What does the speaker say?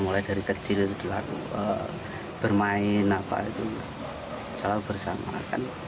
mulai dari kecil itu bermain apa itu selalu bersama